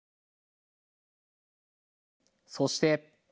そして。